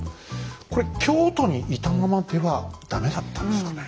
これ京都にいたままでは駄目だったんですかね。